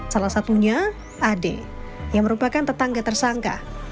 salah satunya ade yang merupakan tetangga tersangka